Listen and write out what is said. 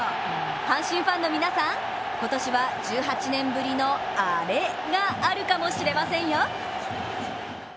阪神ファンの皆さん、今年は１８年ぶりのアレがあるかもしれませんよ！